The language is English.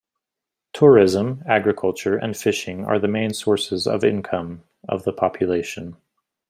Tourism, agriculture and fishing are the main sources of income of the population.